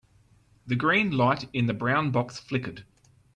The green light in the brown box flickered.